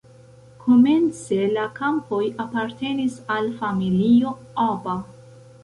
Komence la kampoj apartenis al familio Aba.